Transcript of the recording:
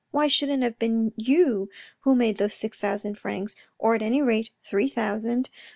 Why shouldn't it have been you who made those six thousand francs, or at any rate three thousand.